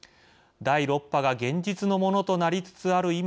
第６波が現実のものとなりつつある